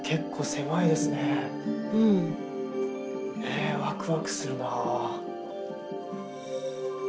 えワクワクするな。